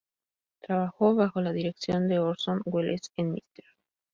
Trabajó bajo la dirección de Orson Welles en "Mr.